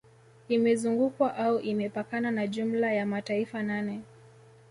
Imezungukwa au imepakana na jumla ya mataifa nane